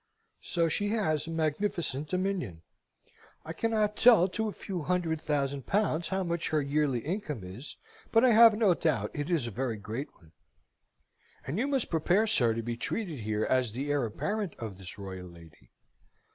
So she has a magnificent dominion: I cannot tell to a few hundred thousand pounds how much her yearly income is, but I have no doubt it is a very great one. And you must prepare, sir, to be treated here as the heir apparent of this royal lady.